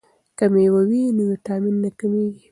که میوه وي نو ویټامین نه کمیږي.